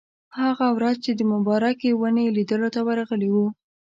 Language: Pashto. هغه ورځ چې د مبارکې ونې لیدلو ته ورغلي وو.